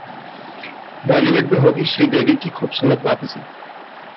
बॉलीवुड में होगी श्रीदेवी की खूबसूरत वापसी